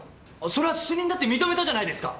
それは主任だって認めたじゃないですか！